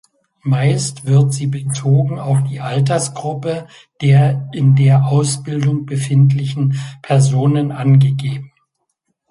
Meist wird sie bezogen auf die Altersgruppe der in der Ausbildung befindlichen Personen angegeben.